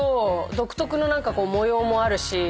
独特の何かこう模様もあるし。